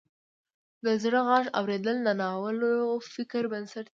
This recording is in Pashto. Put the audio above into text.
د زړه غږ اوریدل د ناول فکري بنسټ دی.